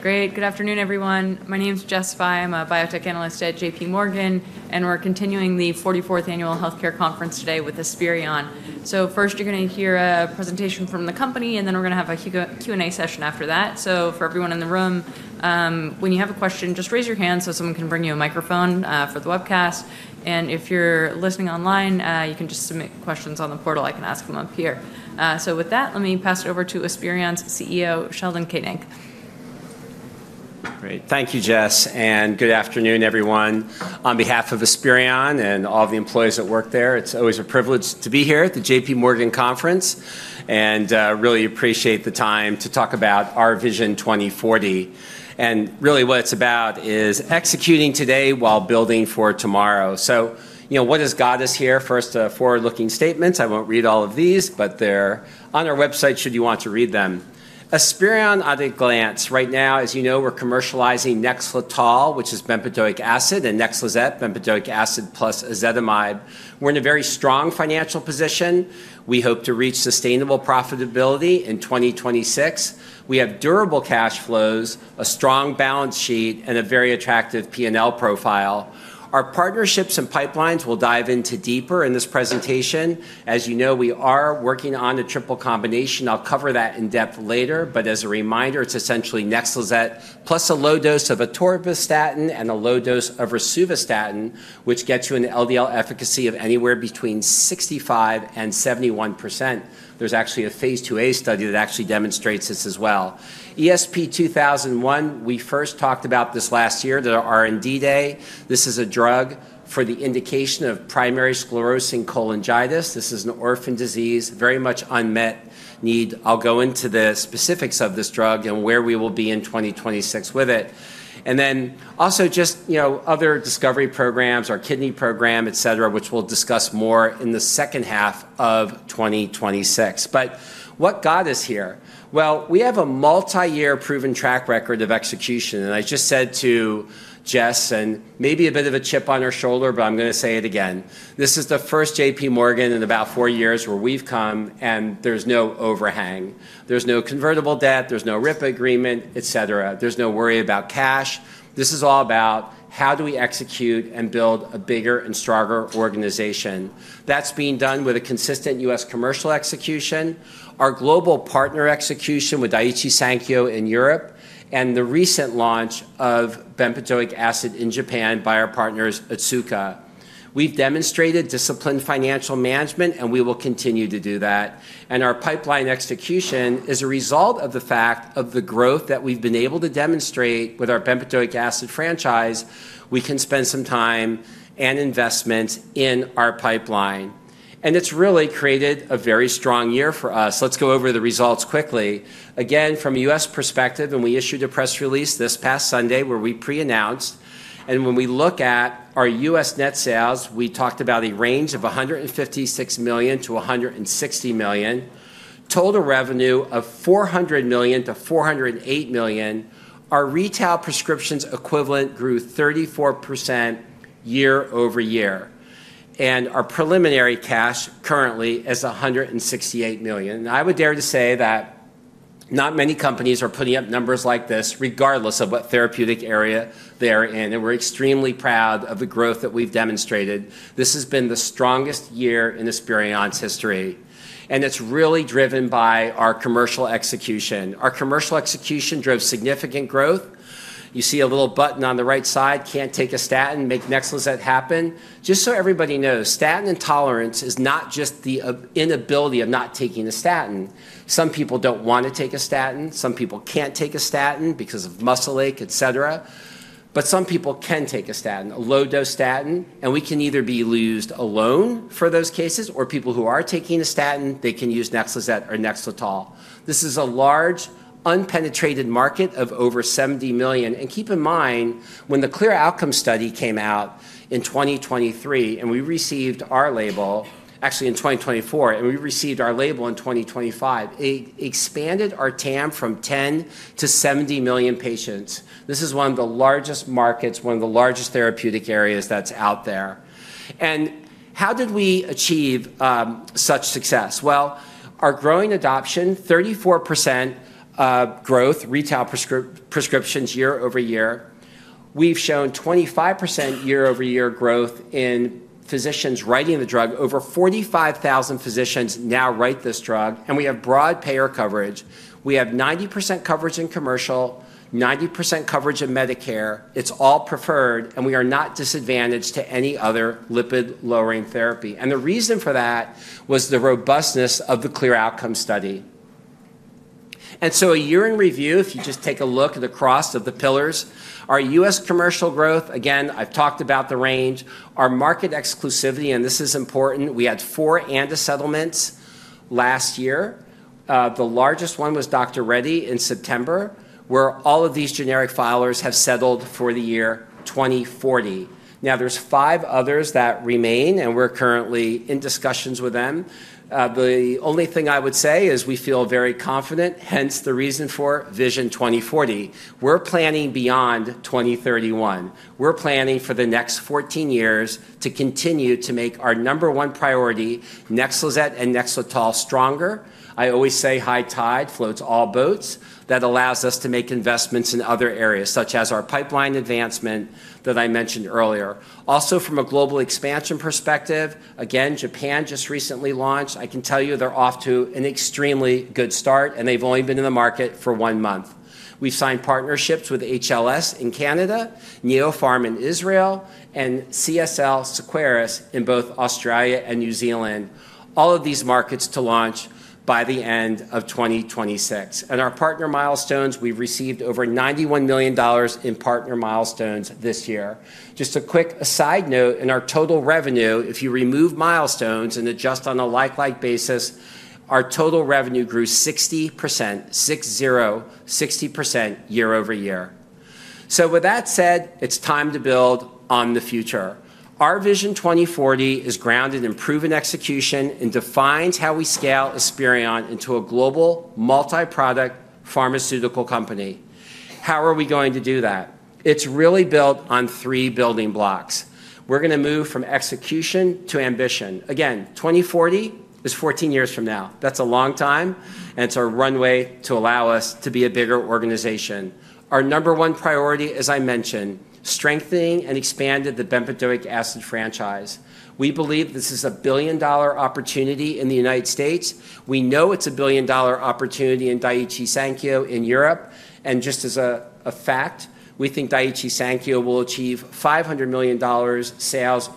Great. Good afternoon, everyone. My name's Jessica Fye. I'm a biotech analyst at J.P. Morgan, and we're continuing the 44th Annual Healthcare Conference today with Esperion. So first, you're going to hear a presentation from the company, and then we're going to have a Q&A session after that. So for everyone in the room, when you have a question, just raise your hand so someone can bring you a microphone for the webcast. And if you're listening online, you can just submit questions on the portal. I can ask them up here. So with that, let me pass it over to Esperion's CEO, Sheldon Koenig. Great. Thank you, Jess. And good afternoon, everyone. On behalf of Esperion and all the employees that work there, it's always a privilege to be here at the J.P. Morgan Conference, and I really appreciate the time to talk about our Vision 2040. And really, what it's about is executing today while building for tomorrow. So what has got us here? First, a forward-looking statement. I won't read all of these, but they're on our website should you want to read them. Esperion, at a glance, right now, as you know, we're commercializing NEXLETOL, which is bempedoic acid, and NEXLIZET, bempedoic acid plus ezetimibe. We're in a very strong financial position. We hope to reach sustainable profitability in 2026. We have durable cash flows, a strong balance sheet, and a very attractive P&L profile. Our partnerships and pipelines we'll dive into deeper in this presentation. As you know, we are working on a triple combination. I'll cover that in depth later, but as a reminder, it's essentially NEXLIZET plus a low dose of atorvastatin and a low dose of rosuvastatin, which gets you an LDL efficacy of anywhere between 65% and 71%. There's actually a phase 2a study that actually demonstrates this as well. ESP-2001, we first talked about this last year at our R&D day. This is a drug for the indication of primary sclerosing cholangitis. This is an orphan disease, very much unmet need. I'll go into the specifics of this drug and where we will be in 2026 with it. And then also just other discovery programs, our kidney program, et cetera, which we'll discuss more in the second half of 2026. But what got us here? Well, we have a multi-year proven track record of execution. And I just said to Jess, and maybe a bit of a chip on her shoulder, but I'm going to say it again. This is the first JPMorgan in about four years where we've come, and there's no overhang. There's no convertible debt. There's no RIPA agreement, etc. There's no worry about cash. This is all about how do we execute and build a bigger and stronger organization. That's being done with a consistent U.S. commercial execution, our global partner execution with Daiichi Sankyo in Europe, and the recent launch of bempedoic acid in Japan by our partners, Otsuka. We've demonstrated disciplined financial management, and we will continue to do that. And our pipeline execution is a result of the fact of the growth that we've been able to demonstrate with our bempedoic acid franchise. We can spend some time and investment in our pipeline. It's really created a very strong year for us. Let's go over the results quickly. Again, from a U.S. perspective, and we issued a press release this past Sunday where we pre-announced. When we look at our U.S. net sales, we talked about a range of $156 million to $160 million, total revenue of $400 million to $408 million. Our retail prescription equivalents grew 34% year over year. Our preliminary cash currently is $168 million. I would dare to say that not many companies are putting up numbers like this, regardless of what therapeutic area they're in. We're extremely proud of the growth that we've demonstrated. This has been the strongest year in Esperion's history. It's really driven by our commercial execution. Our commercial execution drove significant growth. You see a little button on the right side, "Can't take a statin, make NEXLIZET happen." Just so everybody knows, statin intolerance is not just the inability of not taking a statin. Some people don't want to take a statin. Some people can't take a statin because of muscle ache, et cetera. But some people can take a statin, a low-dose statin. And we can either be used alone for those cases, or people who are taking a statin, they can use NEXLIZET or NEXLETOL. This is a large, unpenetrated market of over $70 million. And keep in mind, when the CLEAR Outcomes came out in 2023, and we received our label, actually in 2024, and we received our label in 2025, it expanded our TAM from 10 to 70 million patients. This is one of the largest markets, one of the largest therapeutic areas that's out there. And how did we achieve such success? Well, our growing adoption, 34% growth, retail prescriptions year over year. We've shown 25% year over year growth in physicians writing the drug. Over 45,000 physicians now write this drug. And we have broad payer coverage. We have 90% coverage in commercial, 90% coverage in Medicare. It's all preferred, and we are not disadvantaged to any other lipid-lowering therapy. And the reason for that was the robustness of the CLEAR Outcomes Study. And so a year in review, if you just take a look across the pillars, our U.S. commercial growth, again, I've talked about the range, our market exclusivity, and this is important. We had four ANDA settlements last year. The largest one was Dr. Reddy in September, where all of these generic filers have settled for the year 2040. Now, there are five others that remain, and we're currently in discussions with them. The only thing I would say is we feel very confident, hence the reason for Vision 2040. We're planning beyond 2031. We're planning for the next 14 years to continue to make our number one priority, NEXLIZET and NEXLETOL, stronger. I always say high tide floats all boats. That allows us to make investments in other areas, such as our pipeline advancement that I mentioned earlier. Also, from a global expansion perspective, again, Japan just recently launched. I can tell you they're off to an extremely good start, and they've only been in the market for one month. We've signed partnerships with HLS in Canada, Neopharm in Israel, and CSL Seqirus in both Australia and New Zealand. All of these markets to launch by the end of 2026. And our partner milestones, we've received over $91 million in partner milestones this year. Just a quick side note, in our total revenue, if you remove milestones and adjust on a like-like basis, our total revenue grew 60%, six-zero, 60% year over year. So with that said, it's time to build on the future. Our Vision 2040 is grounded in proven execution and defines how we scale Esperion into a global multi-product pharmaceutical company. How are we going to do that? It's really built on three building blocks. We're going to move from execution to ambition. Again, 2040 is 14 years from now. That's a long time, and it's our runway to allow us to be a bigger organization. Our number one priority, as I mentioned, strengthening and expanding the bempedoic acid franchise. We believe this is a billion-dollar opportunity in the United States. We know it's a billion-dollar opportunity in Daiichi Sankyo in Europe. And just as a fact, we think Daiichi Sankyo will achieve EUR 500 million sales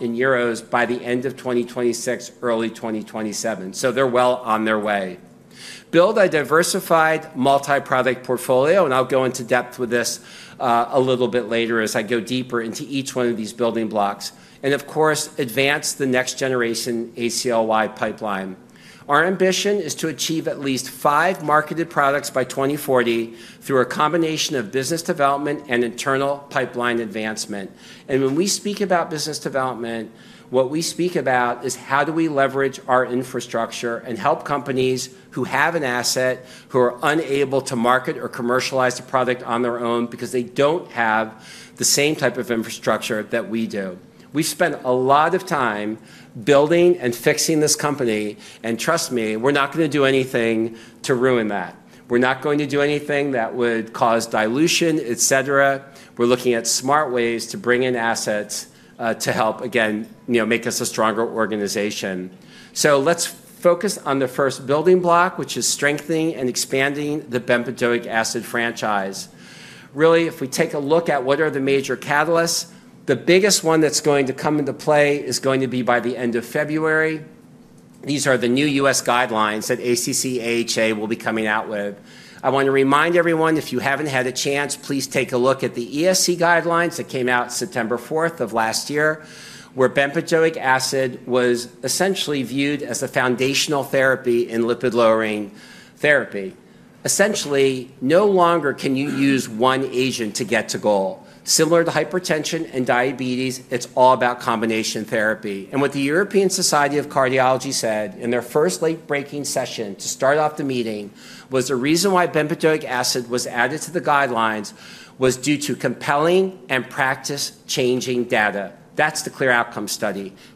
by the end of 2026, early 2027. So they're well on their way. Build a diversified multi-product portfolio, and I'll go into depth with this a little bit later as I go deeper into each one of these building blocks. And of course, advance the next-generation ACLY pipeline. Our ambition is to achieve at least five marketed products by 2040 through a combination of business development and internal pipeline advancement. And when we speak about business development, what we speak about is how do we leverage our infrastructure and help companies who have an asset, who are unable to market or commercialize a product on their own because they don't have the same type of infrastructure that we do. We've spent a lot of time building and fixing this company, and trust me, we're not going to do anything to ruin that. We're not going to do anything that would cause dilution, et cetera. We're looking at smart ways to bring in assets to help, again, make us a stronger organization. So let's focus on the first building block, which is strengthening and expanding the bempedoic acid franchise. Really, if we take a look at what are the major catalysts, the biggest one that's going to come into play is going to be by the end of February. These are the new U.S. guidelines that ACC/AHA will be coming out with. I want to remind everyone, if you haven't had a chance, please take a look at the ESC guidelines that came out September 4th of last year, where bempedoic acid was essentially viewed as a foundational therapy in lipid-lowering therapy. Essentially, no longer can you use one agent to get to goal. Similar to hypertension and diabetes, it's all about combination therapy. And what the European Society of Cardiology said in their first late-breaking session to start off the meeting was the reason why bempedoic acid was added to the guidelines was due to compelling and practice-changing data. That's the CLEAR Outcomes,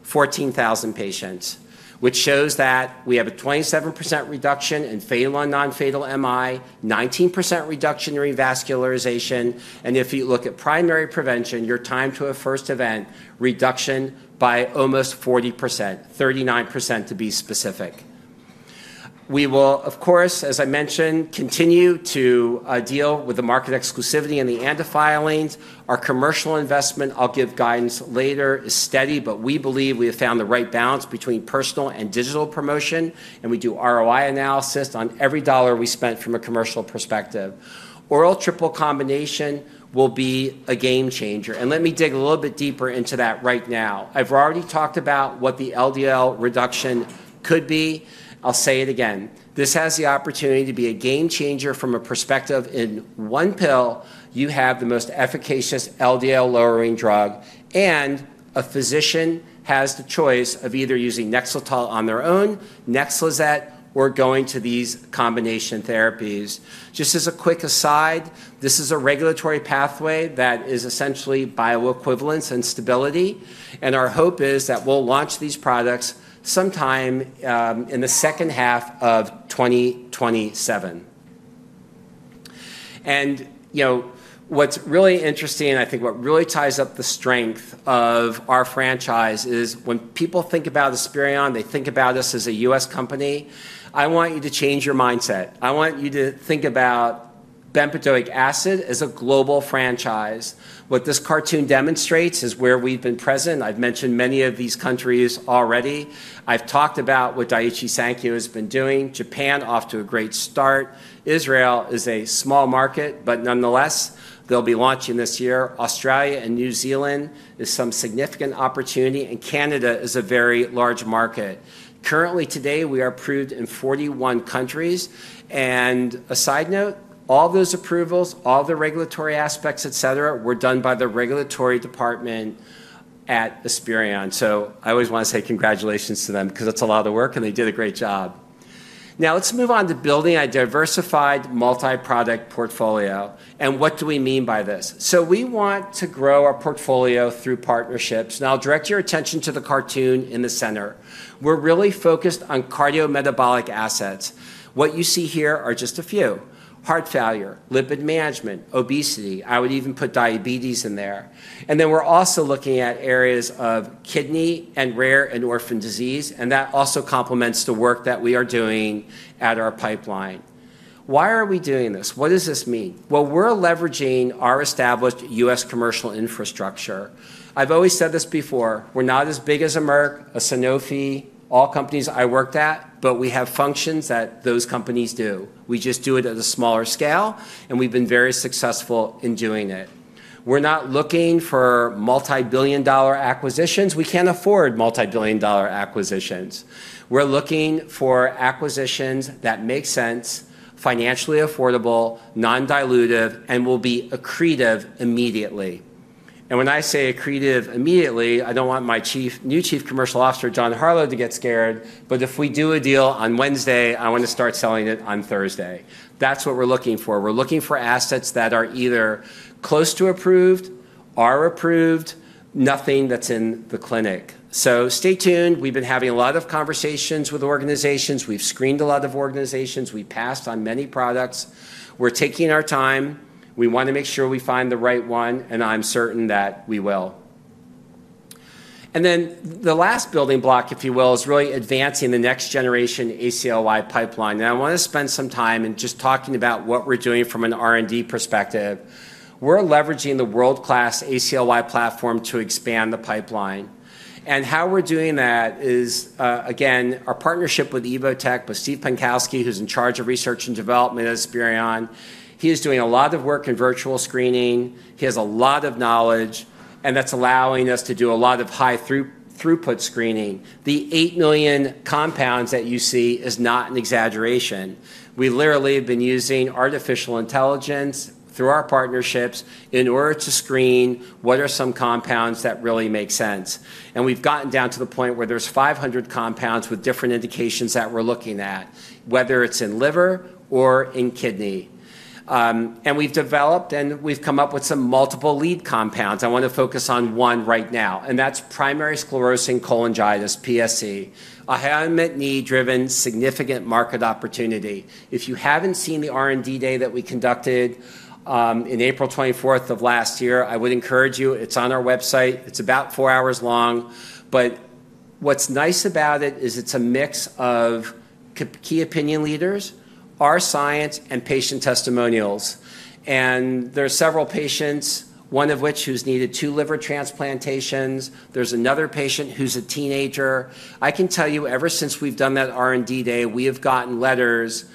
14,000 patients, which shows that we have a 27% reduction in fatal and non-fatal MI, 19% reduction in revascularization. And if you look at primary prevention, your time to a first event reduction by almost 40%, 39% to be specific. We will, of course, as I mentioned, continue to deal with the market exclusivity and the ANDA filings. Our commercial investment, I'll give guidance later, is steady, but we believe we have found the right balance between personal and digital promotion, and we do ROI analysis on every dollar we spent from a commercial perspective. Oral triple combination will be a game changer. And let me dig a little bit deeper into that right now. I've already talked about what the LDL reduction could be. I'll say it again. This has the opportunity to be a game changer from a perspective in one pill, you have the most efficacious LDL-lowering drug, and a physician has the choice of either using NEXLETOL on their own, NEXLIZET, or going to these combination therapies. Just as a quick aside, this is a regulatory pathway that is essentially bioequivalence and stability. And our hope is that we'll launch these products sometime in the second half of 2027. And what's really interesting, and I think what really ties up the strength of our franchise is when people think about Esperion, they think about us as a U.S. company. I want you to change your mindset. I want you to think about bempedoic acid as a global franchise. What this cartoon demonstrates is where we've been present. I've mentioned many of these countries already. I've talked about what Daiichi Sankyo has been doing. Japan off to a great start. Israel is a small market, but nonetheless, they'll be launching this year. Australia and New Zealand is some significant opportunity, and Canada is a very large market. Currently, today, we are approved in 41 countries. A side note, all those approvals, all the regulatory aspects, et cetera, were done by the regulatory department at Esperion. I always want to say congratulations to them because it's a lot of work, and they did a great job. Now, let's move on to building a diversified multi-product portfolio. What do we mean by this? We want to grow our portfolio through partnerships. I'll direct your attention to the cartoon in the center. We're really focused on cardiometabolic assets. What you see here are just a few: heart failure, lipid management, obesity. I would even put diabetes in there. Then we're also looking at areas of kidney and rare endocrine disease, and that also complements the work that we are doing at our pipeline. Why are we doing this? What does this mean? We're leveraging our established U.S. commercial infrastructure. I've always said this before. We're not as big as Merck, Sanofi, all companies I worked at, but we have functions that those companies do. We just do it at a smaller scale, and we've been very successful in doing it. We're not looking for multi-billion-dollar acquisitions. We can't afford multi-billion-dollar acquisitions. We're looking for acquisitions that make sense, financially affordable, non-dilutive, and will be accretive immediately. And when I say accretive immediately, I don't want my new Chief Commercial Officer, John Harlow, to get scared, but if we do a deal on Wednesday, I want to start selling it on Thursday. That's what we're looking for. We're looking for assets that are either close to approved, are approved, nothing that's in the clinic. So stay tuned. We've been having a lot of conversations with organizations. We've screened a lot of organizations. We passed on many products. We're taking our time. We want to make sure we find the right one, and I'm certain that we will, and then the last building block, if you will, is really advancing the next-generation ACLY pipeline. And I want to spend some time in just talking about what we're doing from an R&D perspective. We're leveraging the world-class ACLY platform to expand the pipeline, and how we're doing that is, again, our partnership with Evotec, with Stephen Pinkosky, who's in charge of research and development at Esperion. He is doing a lot of work in virtual screening. He has a lot of knowledge, and that's allowing us to do a lot of high-throughput screening. The eight million compounds that you see is not an exaggeration. We literally have been using artificial intelligence through our partnerships in order to screen what are some compounds that really make sense. We've gotten down to the point where there's 500 compounds with different indications that we're looking at, whether it's in liver or in kidney. We've developed and we've come up with some multiple lead compounds. I want to focus on one right now, and that's primary sclerosing cholangitis, PSC, a high unmet need-driven significant market opportunity. If you haven't seen the R&D day that we conducted on April 24th of last year, I would encourage you. It's on our website. It's about four hours long. What's nice about it is it's a mix of key opinion leaders, our science, and patient testimonials. There are several patients, one of which who's needed two liver transplantations. There's another patient who's a teenager. I can tell you, ever since we've done that R&D day, we have gotten letters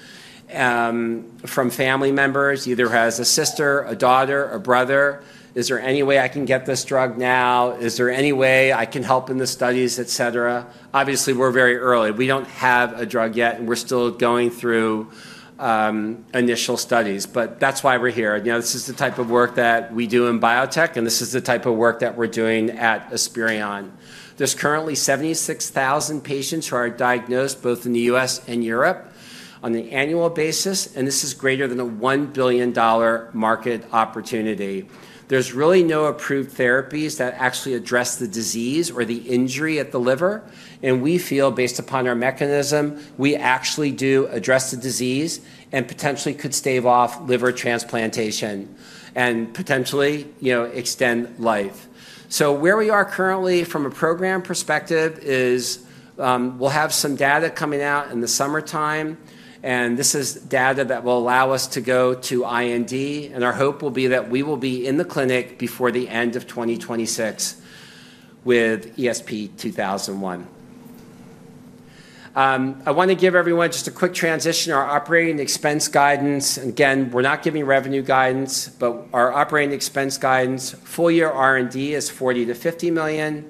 from family members, either as a sister, a daughter, a brother. Is there any way I can get this drug now? Is there any way I can help in the studies, et cetera? Obviously, we're very early. We don't have a drug yet, and we're still going through initial studies. But that's why we're here. This is the type of work that we do in biotech, and this is the type of work that we're doing at Esperion. There's currently 76,000 patients who are diagnosed both in the U.S. and Europe on an annual basis, and this is greater than a $1 billion market opportunity. There's really no approved therapies that actually address the disease or the injury at the liver. And we feel, based upon our mechanism, we actually do address the disease and potentially could stave off liver transplantation and potentially extend life. Where we are currently from a program perspective is we'll have some data coming out in the summertime, and this is data that will allow us to go to IND, and our hope will be that we will be in the clinic before the end of 2026 with ESP 2001. I want to give everyone just a quick transition to our operating expense guidance. Again, we're not giving revenue guidance, but our operating expense guidance, full-year R&D is $40-$50 million.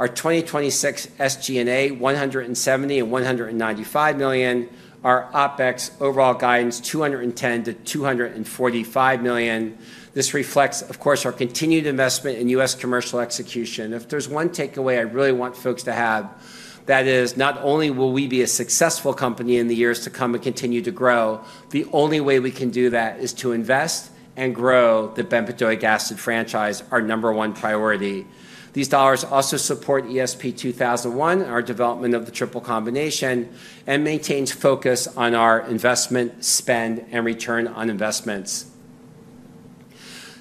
Our 2026 SG&A $170-$195 million. Our OPEX overall guidance $210-$245 million. This reflects, of course, our continued investment in U.S. commercial execution. If there's one takeaway I really want folks to have, that is not only will we be a successful company in the years to come and continue to grow, the only way we can do that is to invest and grow the bempedoic acid franchise, our number one priority. These dollars also support ESP-2001, our development of the triple combination, and maintains focus on our investment, spend, and return on investments.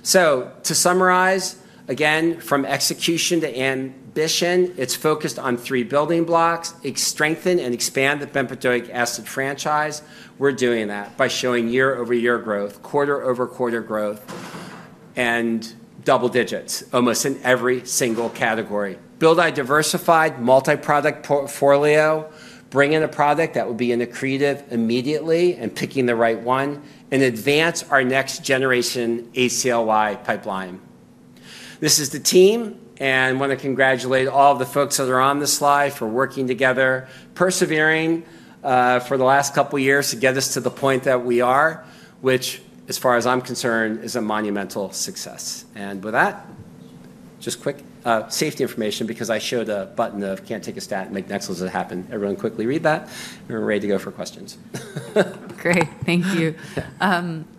To summarize, again, from execution to ambition, it's focused on three building blocks. Strengthen and expand the bempedoic acid franchise. We're doing that by showing year-over-year growth, quarter-over-quarter growth, and double digits almost in every single category. Build a diversified multi-product portfolio, bring in a product that will be an accretive immediately and picking the right one, and advance our next-generation ACLY pipeline. This is the team, and I want to congratulate all of the folks that are on this slide for working together, persevering for the last couple of years to get us to the point that we are, which, as far as I'm concerned, is a monumental success, and with that, just quick safety information because I showed a button of can't take a statin and make NEXLIZET happen. Everyone quickly read that, and we're ready to go for questions. Great. Thank you.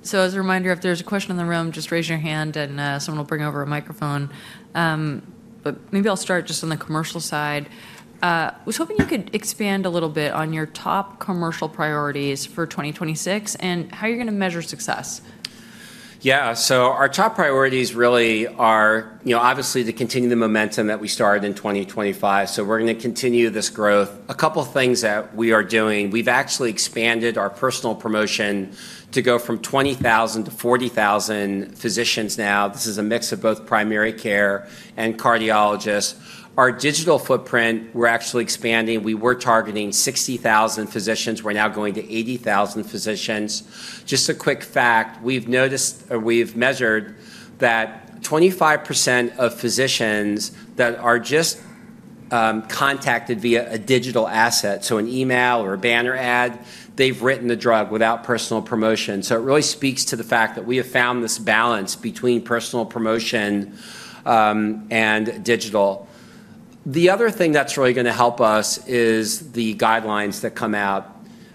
So as a reminder, if there's a question in the room, just raise your hand, and someone will bring over a microphone. But maybe I'll start just on the commercial side. I was hoping you could expand a little bit on your top commercial priorities for 2026 and how you're going to measure success. Yeah. So our top priorities really are obviously to continue the momentum that we started in 2025. So we're going to continue this growth. A couple of things that we are doing, we've actually expanded our personal promotion to go from 20,000 to 40,000 physicians now. This is a mix of both primary care and cardiologists. Our digital footprint, we're actually expanding. We were targeting 60,000 physicians. We're now going to 80,000 physicians. Just a quick fact, we've measured that 25% of physicians that are just contacted via a digital asset, so an email or a banner ad, they've written the drug without personal promotion. So it really speaks to the fact that we have found this balance between personal promotion and digital. The other thing that's really going to help us is the guidelines that come out.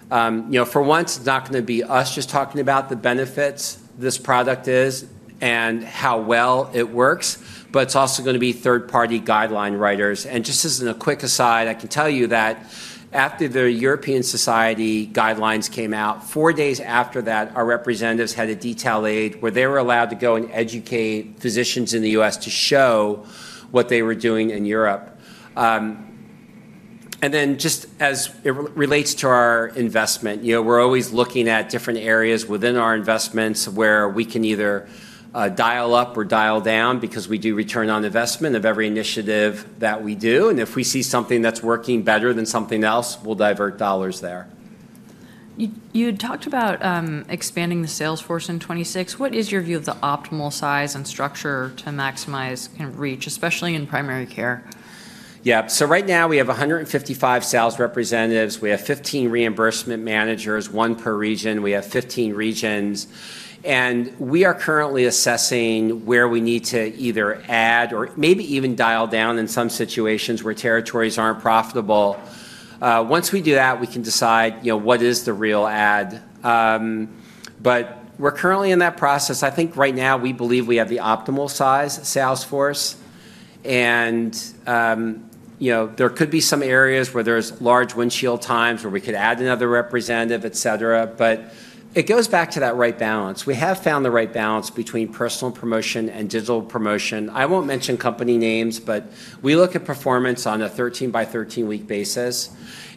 For once, it's not going to be us just talking about the benefits this product is and how well it works, but it's also going to be third-party guideline writers. And just as a quick aside, I can tell you that after the European Society guidelines came out, four days after that, our representatives had a detailing aid where they were allowed to go and educate physicians in the U.S. to show what they were doing in Europe. And then just as it relates to our investment, we're always looking at different areas within our investments where we can either dial up or dial down because we do return on investment of every initiative that we do. And if we see something that's working better than something else, we'll divert dollars there. You had talked about expanding the sales force in 2026. What is your view of the optimal size and structure to maximize kind of reach, especially in primary care? Yeah. So right now, we have 155 sales representatives. We have 15 reimbursement managers, one per region. We have 15 regions. And we are currently assessing where we need to either add or maybe even dial down in some situations where territories aren't profitable. Once we do that, we can decide what is the real add. But we're currently in that process. I think right now, we believe we have the optimal size sales force. And there could be some areas where there's large windshield time where we could add another representative, et cetera. But it goes back to that right balance. We have found the right balance between personal promotion and digital promotion. I won't mention company names, but we look at performance on a 13-by-13 week basis.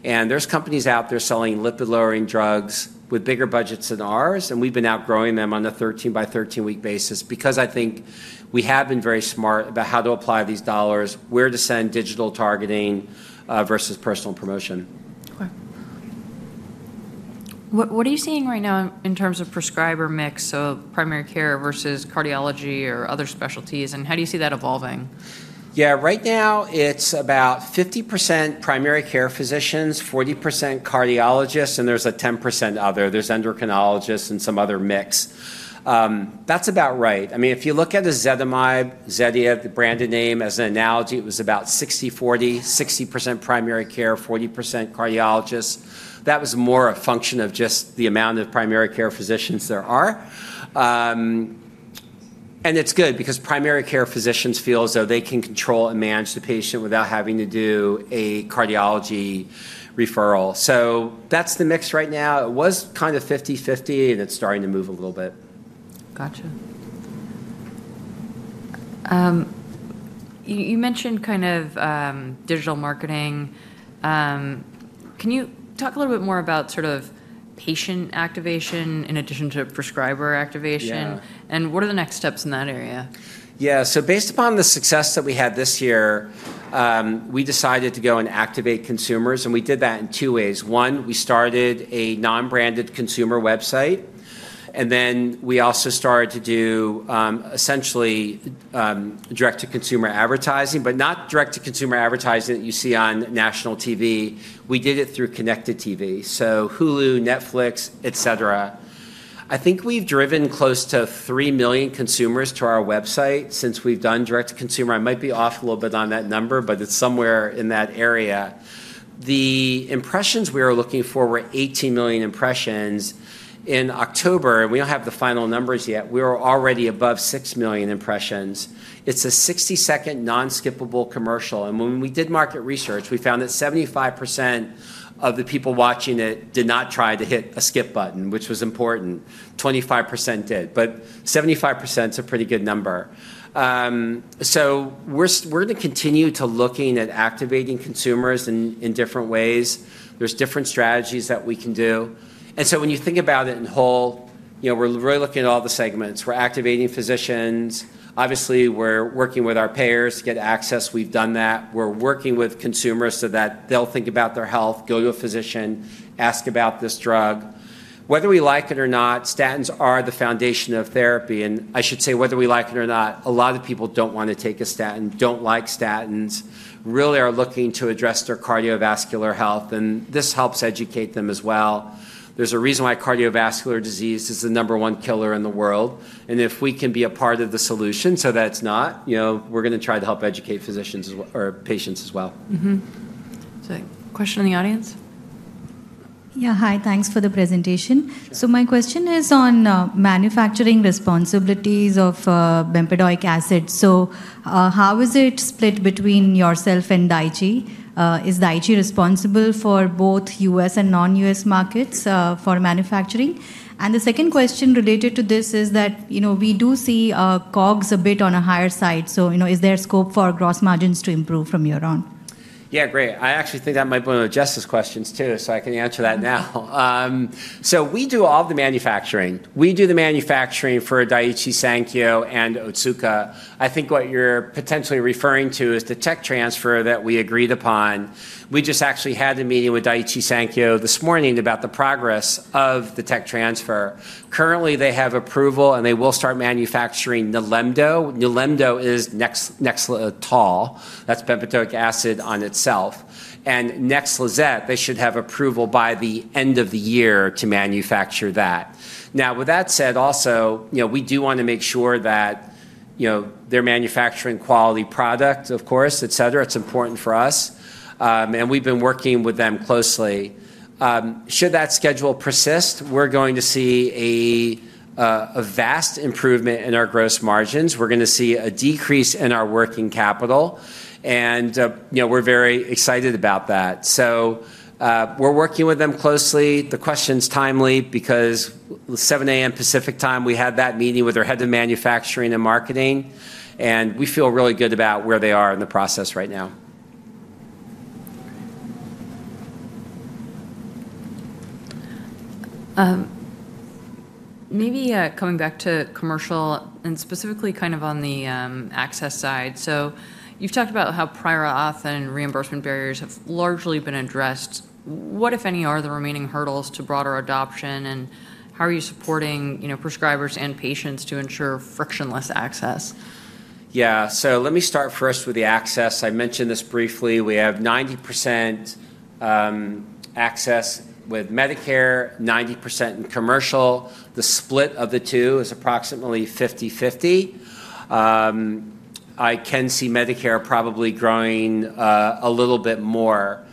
And there's companies out there selling lipid-lowering drugs with bigger budgets than ours, and we've been outgrowing them on a 13-by-13 week basis because I think we have been very smart about how to apply these dollars, where to send digital targeting versus personal promotion. Okay. What are you seeing right now in terms of prescriber mix, so primary care versus cardiology or other specialties, and how do you see that evolving? Yeah. Right now, it's about 50% primary care physicians, 40% cardiologists, and there's a 10% other. There's endocrinologists and some other mix. That's about right. I mean, if you look at ezetimibe, Zetia, the branded name as an analogy, it was about 60%-40%, 60% primary care, 40% cardiologists. That was more a function of just the amount of primary care physicians there are. And it's good because primary care physicians feel as though they can control and manage the patient without having to do a cardiology referral. So that's the mix right now. It was kind of 50%-50%, and it's starting to move a little bit. Gotcha. You mentioned kind of digital marketing. Can you talk a little bit more about sort of patient activation in addition to prescriber activation, and what are the next steps in that area? Yeah, so based upon the success that we had this year, we decided to go and activate consumers, and we did that in two ways. One, we started a non-branded consumer website, and then we also started to do essentially direct-to-consumer advertising, but not direct-to-consumer advertising that you see on national TV. We did it through connected TV, so Hulu, Netflix, et cetera. I think we've driven close to 3 million consumers to our website since we've done direct-to-consumer. I might be off a little bit on that number, but it's somewhere in that area. The impressions we were looking for were 18 million impressions in October, and we don't have the final numbers yet. We were already above 6 million impressions. It's a 60-second non-skippable commercial. When we did market research, we found that 75% of the people watching it did not try to hit a skip button, which was important. 25% did, but 75% is a pretty good number. So we're going to continue to look at activating consumers in different ways. There's different strategies that we can do. And so when you think about it in whole, we're really looking at all the segments. We're activating physicians. Obviously, we're working with our payers to get access. We've done that. We're working with consumers so that they'll think about their health, go to a physician, ask about this drug. Whether we like it or not, statins are the foundation of therapy. And I should say, whether we like it or not, a lot of people don't want to take a statin, don't like statins, really are looking to address their cardiovascular health. And this helps educate them as well. There's a reason why cardiovascular disease is the number one killer in the world. And if we can be a part of the solution so that it's not, we're going to try to help educate physicians or patients as well. So, question in the audience? Yeah. Hi. Thanks for the presentation. So my question is on manufacturing responsibilities of bempedoic acid. So how is it split between yourself and Daiichi? Is Daiichi responsible for both U.S. and non-U.S. markets for manufacturing? And the second question related to this is that we do see COGS a bit on a higher side. So is there scope for gross margins to improve from year-round? Yeah, great. I actually think that might be one of the just the questions too, so I can answer that now. So we do all the manufacturing. We do the manufacturing for Daiichi Sankyo and Otsuka. I think what you're potentially referring to is the tech transfer that we agreed upon. We just actually had a meeting with Daiichi Sankyo this morning about the progress of the tech transfer. Currently, they have approval, and they will start manufacturing NILEMDO. NILEMDO is NEXLETOL, that's bempedoic acid on itself. And NEXLIZET, they should have approval by the end of the year to manufacture that. Now, with that said, also, we do want to make sure that they're manufacturing quality product, of course, et cetera. It's important for us. And we've been working with them closely. Should that schedule persist, we're going to see a vast improvement in our gross margins. We're going to see a decrease in our working capital. We're very excited about that. We're working with them closely. The question's timely because 7:00 A.M. Pacific time, we had that meeting with our head of manufacturing and marketing. We feel really good about where they are in the process right now. Maybe coming back to commercial and specifically kind of on the access side. So you've talked about how prior auth and reimbursement barriers have largely been addressed. What, if any, are the remaining hurdles to broader adoption, and how are you supporting prescribers and patients to ensure frictionless access? Yeah. So let me start first with the access. I mentioned this briefly. We have 90% access with Medicare, 90% in commercial. The split of the two is approximately 50-50. I can see Medicare probably growing a little bit more.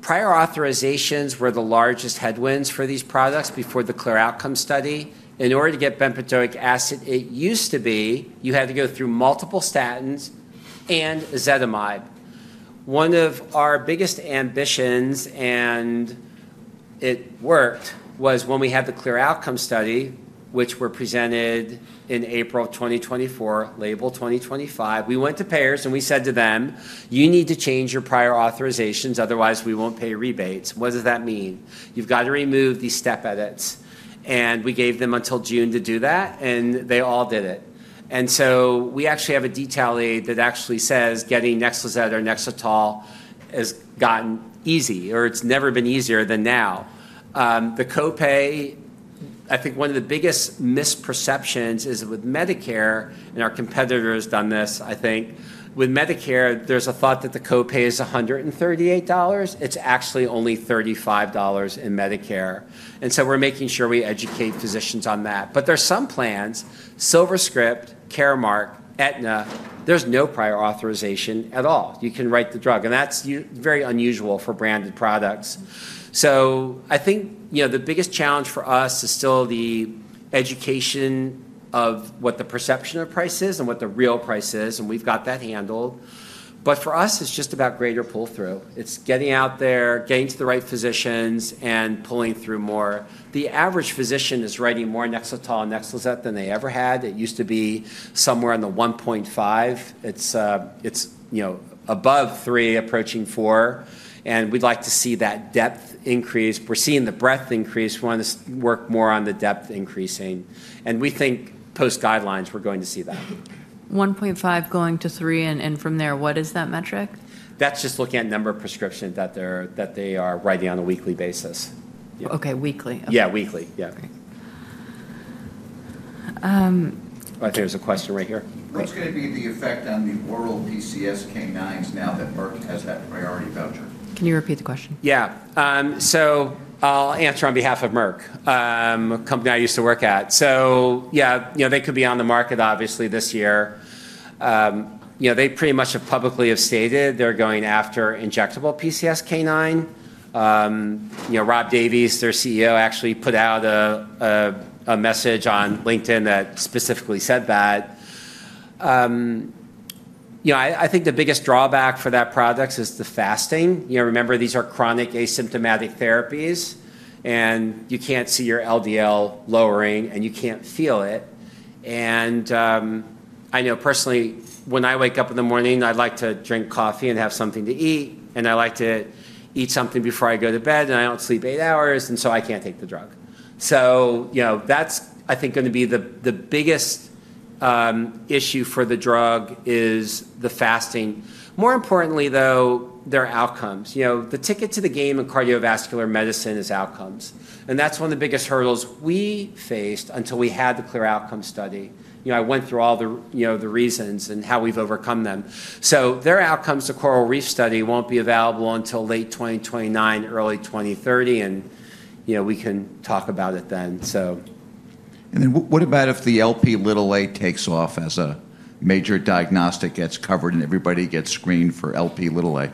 Prior authorizations were the largest headwinds for these products before the CLEAR Outcomes study. In order to get bempedoic acid, it used to be you had to go through multiple statins and ezetimibe. One of our biggest ambitions, and it worked, was when we had the CLEAR Outcomes study, which we're presented in April 2024, label 2025. We went to payers, and we said to them, "You need to change your prior authorizations, otherwise we won't pay rebates." What does that mean? You've got to remove these step edits, and we gave them until June to do that, and they all did it. And so we actually have a detail aid that actually says getting NEXLIZET or NEXLETOL has gotten easy, or it's never been easier than now. The copay, I think one of the biggest misperceptions is with Medicare, and our competitor has done this, I think. With Medicare, there's a thought that the copay is $138. It's actually only $35 in Medicare. And so we're making sure we educate physicians on that. But there's some plans, SilverScript, Caremark, Aetna, there's no prior authorization at all. You can write the drug. And that's very unusual for branded products. So I think the biggest challenge for us is still the education of what the perception of price is and what the real price is, and we've got that handled. But for us, it's just about greater pull-through. It's getting out there, getting to the right physicians, and pulling through more. The average physician is writing more NEXLETOL and NEXLIZET than they ever had. It used to be somewhere in the 1.5. It's above 3, approaching 4. And we'd like to see that depth increase. We're seeing the breadth increase. We want to work more on the depth increasing. And we think post-guidelines, we're going to see that. 1.5 going to 3, and from there, what is that metric? That's just looking at number of prescriptions that they are writing on a weekly basis. Okay. Weekly. Yeah, weekly. Yeah. Great. I think there's a question right here. What's going to be the effect on the oral PCSK9s now that Merck has that priority voucher? Can you repeat the question? Yeah. So I'll answer on behalf of Merck, a company I used to work at. So yeah, they could be on the market, obviously, this year. They pretty much have publicly stated they're going after injectable PCSK9. Rob Davis, their CEO, actually put out a message on LinkedIn that specifically said that. I think the biggest drawback for that product is the fasting. Remember, these are chronic asymptomatic therapies, and you can't see your LDL lowering, and you can't feel it. And I know personally, when I wake up in the morning, I'd like to drink coffee and have something to eat, and I like to eat something before I go to bed, and I don't sleep eight hours, and so I can't take the drug. So that's, I think, going to be the biggest issue for the drug is the fasting. More importantly, though, their outcomes. The ticket to the game in cardiovascular medicine is outcomes. That's one of the biggest hurdles we faced until we had the CLEAR Outcomes study. I went through all the reasons and how we've overcome them. Their outcomes, the CORALreef study, won't be available until late 2029, early 2030, and we can talk about it then, so. And then what about if the Lp(a) takes off as a major diagnostic gets covered and everybody gets screened for Lp(a)?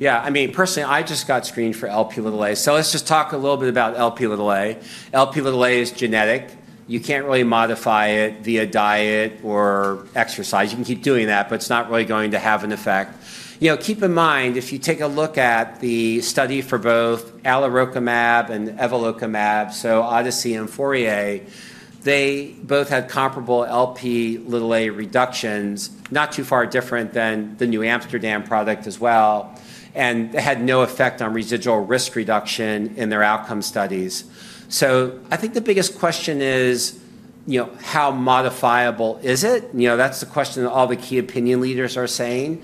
Yeah. I mean, personally, I just got screened for Lp(a). So let's just talk a little bit about Lp(a). Lp(a) is genetic. You can't really modify it via diet or exercise. You can keep doing that, but it's not really going to have an effect. Keep in mind, if you take a look at the study for both alirocumab and evolocumab, so ODYSSEY and FOURIER, they both had comparable Lp(a) reductions, not too far different than the NewAmsterdam product as well, and had no effect on residual risk reduction in their outcome studies. So I think the biggest question is, how modifiable is it? That's the question that all the key opinion leaders are saying.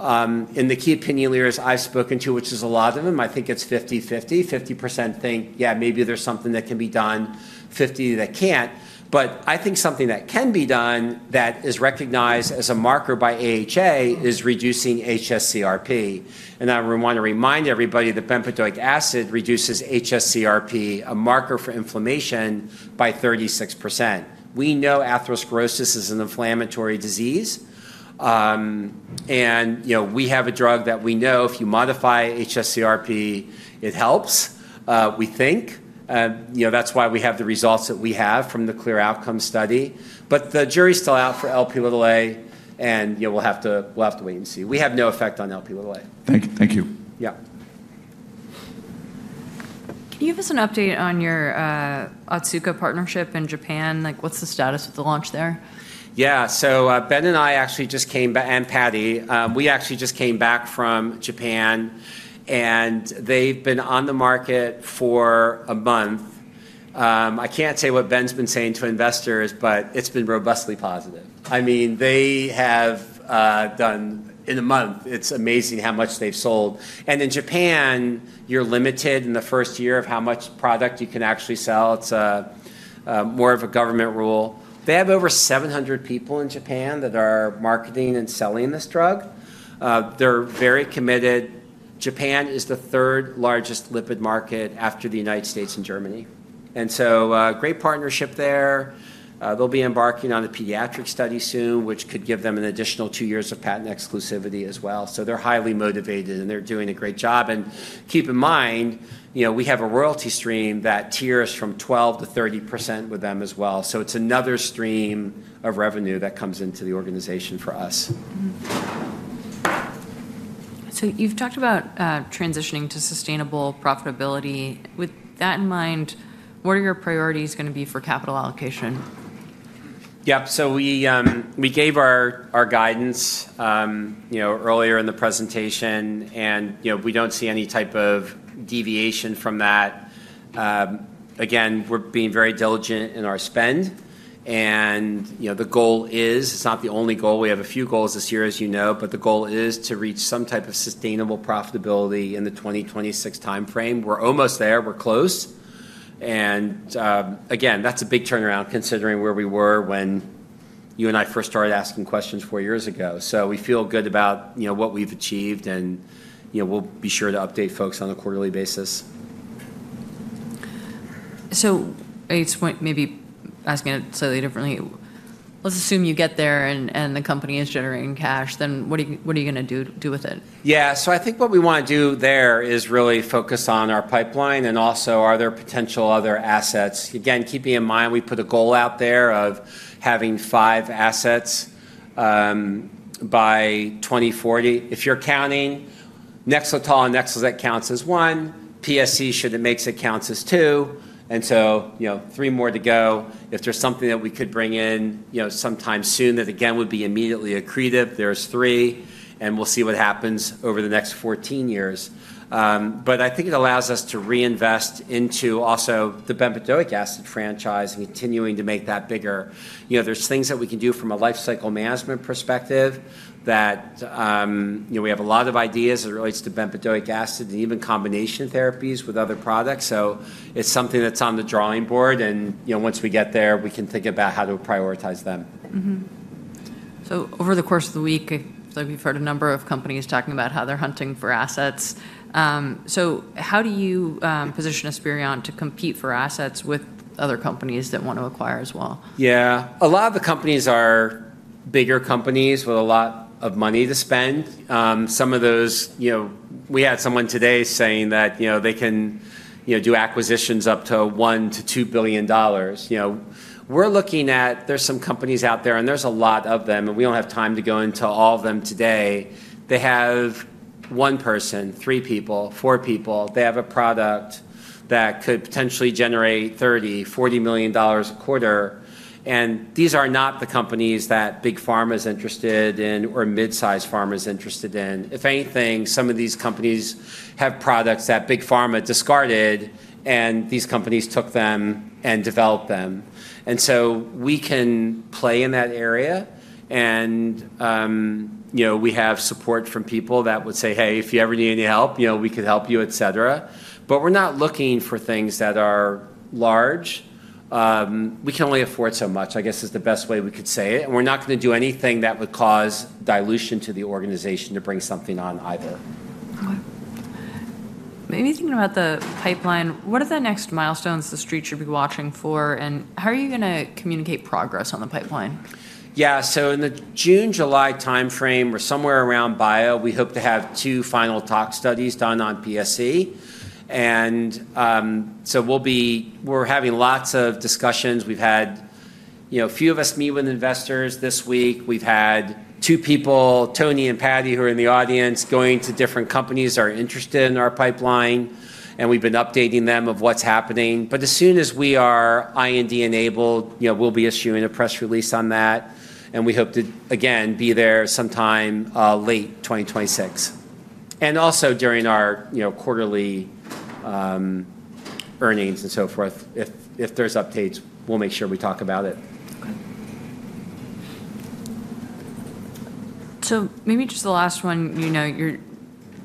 And the key opinion leaders I've spoken to, which is a lot of them, I think it's 50-50. 50% think, yeah, maybe there's something that can be done, 50% that can't. But I think something that can be done that is recognized as a marker by AHA is reducing hsCRP. And I want to remind everybody that bempedoic acid reduces hsCRP, a marker for inflammation, by 36%. We know atherosclerosis is an inflammatory disease, and we have a drug that we know if you modify hsCRP, it helps, we think. That's why we have the results that we have from the CLEAR Outcomes study. But the jury's still out for Lp(a), and we'll have to wait and see. We have no effect on Lp(a). Thank you. Yeah. Can you give us an update on your Otsuka partnership in Japan? What's the status with the launch there? Yeah. So Ben and I actually just came back, and Patty, we actually just came back from Japan, and they've been on the market for a month. I can't say what Ben's been saying to investors, but it's been robustly positive. I mean, they have done in a month, it's amazing how much they've sold. And in Japan, you're limited in the first year of how much product you can actually sell. It's more of a government rule. They have over 700 people in Japan that are marketing and selling this drug. They're very committed. Japan is the third largest lipid market after the United States and Germany. And so great partnership there. They'll be embarking on a pediatric study soon, which could give them an additional two years of patent exclusivity as well. So they're highly motivated, and they're doing a great job. And keep in mind, we have a royalty stream that tiers from 12%-30% with them as well. So it's another stream of revenue that comes into the organization for us. So you've talked about transitioning to sustainable profitability. With that in mind, what are your priorities going to be for capital allocation? Yeah. So we gave our guidance earlier in the presentation, and we don't see any type of deviation from that. Again, we're being very diligent in our spend. And the goal is, it's not the only goal. We have a few goals this year, as you know, but the goal is to reach some type of sustainable profitability in the 2026 timeframe. We're almost there. We're close. And again, that's a big turnaround considering where we were when you and I first started asking questions four years ago. So we feel good about what we've achieved, and we'll be sure to update folks on a quarterly basis. So maybe asking it slightly differently, let's assume you get there and the company is generating cash, then what are you going to do with it? Yeah. So I think what we want to do there is really focus on our pipeline and also other potential other assets. Again, keeping in mind, we put a goal out there of having five assets by 2040. If you're counting, NEXLETOL and NEXLIZET counts as one. PSC, should it make it, counts as two. And so three more to go. If there's something that we could bring in sometime soon that again would be immediately accretive, there's three. And we'll see what happens over the next 14 years. But I think it allows us to reinvest into also the bempedoic acid franchise and continuing to make that bigger. There's things that we can do from a lifecycle management perspective that we have a lot of ideas as it relates to bempedoic acid and even combination therapies with other products. So it's something that's on the drawing board, and once we get there, we can think about how to prioritize them. So over the course of the week, I feel like we've heard a number of companies talking about how they're hunting for assets. So how do you position Esperion to compete for assets with other companies that want to acquire as well? Yeah. A lot of the companies are bigger companies with a lot of money to spend. Some of those, we had someone today saying that they can do acquisitions up to $1-$2 billion. We're looking at, there's some companies out there, and there's a lot of them, and we don't have time to go into all of them today. They have one person, three people, four people. They have a product that could potentially generate $30-$40 million a quarter. And these are not the companies that big pharma is interested in or mid-size pharma is interested in. If anything, some of these companies have products that big pharma discarded, and these companies took them and developed them. And so we can play in that area, and we have support from people that would say, "Hey, if you ever need any help, we could help you," etc. But we're not looking for things that are large. We can only afford so much, I guess, is the best way we could say it. And we're not going to do anything that would cause dilution to the organization to bring something on either. Okay. Maybe thinking about the pipeline, what are the next milestones the street should be watching for, and how are you going to communicate progress on the pipeline? Yeah, so in the June-July timeframe, we're somewhere around Q2. We hope to have two final tox studies done on PSC, and so we're having lots of discussions. We've had a few of us meet with investors this week. We've had two people, Tony and Patty, who are in the audience, going to different companies that are interested in our pipeline, and we've been updating them of what's happening, but as soon as we are IND-enabled, we'll be issuing a press release on that, and we hope to, again, be there sometime late 2026, and also during our quarterly earnings and so forth, if there's updates, we'll make sure we talk about it. Okay, so maybe just the last one. You're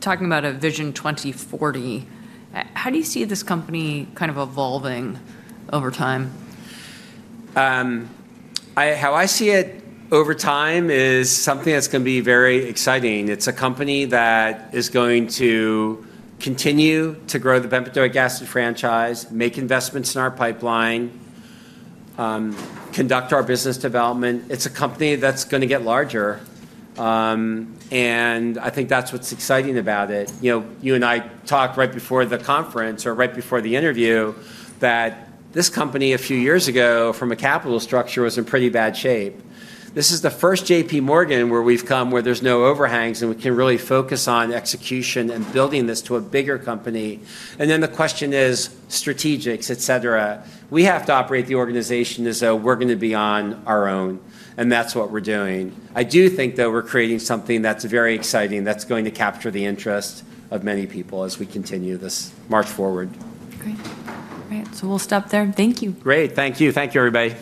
talking about a Vision 2040. How do you see this company kind of evolving over time? How I see it over time is something that's going to be very exciting. It's a company that is going to continue to grow the bempedoic acid franchise, make investments in our pipeline, conduct our business development. It's a company that's going to get larger, and I think that's what's exciting about it. You and I talked right before the conference or right before the interview that this company, a few years ago, from a capital structure, was in pretty bad shape. This is the first J.P. Morgan where we've come where there's no overhangs, and we can really focus on execution and building this to a bigger company, and then the question is strategics, etc. We have to operate the organization as though we're going to be on our own, and that's what we're doing. I do think, though, we're creating something that's very exciting that's going to capture the interest of many people as we continue this march forward. Great. All right. So we'll stop there. Thank you. Great. Thank you. Thank you, everybody.